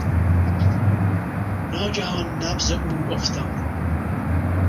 ناگهان نبض او افتاد.